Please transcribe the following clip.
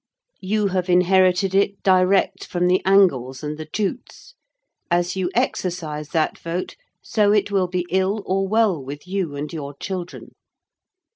You have inherited it direct from the Angles and the Jutes: as you exercise that vote so it will be ill or well with you and your children.